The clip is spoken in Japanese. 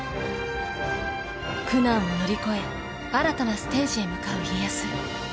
苦難を乗り越え新たなステージへ向かう家康。